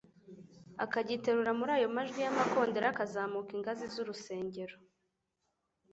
akagiterura muri ayo majwi y'amakondera akazamuka ingazi z'urusengero